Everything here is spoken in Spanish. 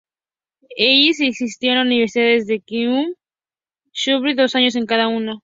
Ellis asistió a las universidades de Kentucky y Syracuse, dos años en cada una.